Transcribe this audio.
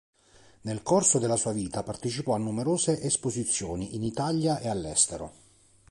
Nel corso della sua vita partecipò a numerose esposizioni in Italia e all'estero.